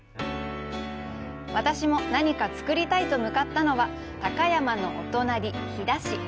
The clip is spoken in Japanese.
私も何か作りたいと向かったのは高山のお隣、飛騨市。